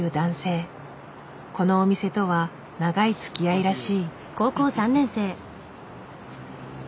このお店とは長いつきあいらしい。